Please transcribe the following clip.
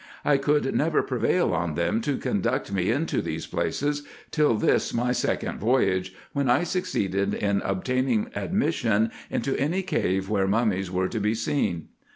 I could never prevail on them to conduct me into these places till this my second voyage, when I succeeded in obtaining admission into any cave where mummies were to be seen.